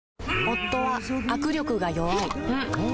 夫は握力が弱い